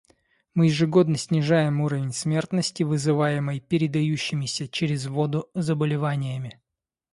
Мы ежегодно снижаем уровень смертности, вызываемой передающимися через воду заболеваниями.